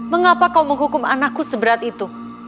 mengapa kau menghukum anakku seberat itu